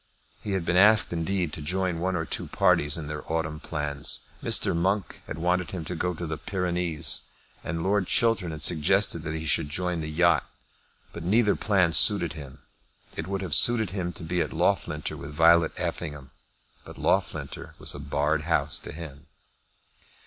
He had been asked indeed to join one or two parties in their autumn plans. Mr. Monk had wanted him to go to the Pyrenees, and Lord Chiltern had suggested that he should join the yacht; but neither plan suited him. It would have suited him to be at Loughlinter with Violet Effingham, but Loughlinter was a barred house to him.